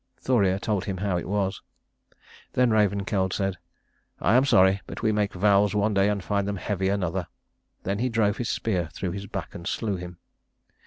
Thoreir told him how it was. Then Ravenkeld said, "I am sorry, but we make vows one day and find them heavy another." Then he drove his spear through his back and slew him.